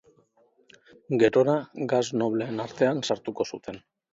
Gerora Gas nobleen artean sartuko zuten.